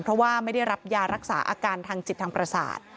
เพราะว่าไม่ได้รับยารักษาอาการทางจิตทางประสาท